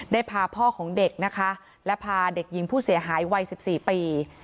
ได้พาพ่อของเด็กนะคะและพาเด็กหญิงผู้เสียหายวัย๑๔ปี